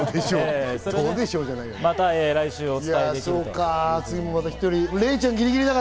どうでしょうじゃない。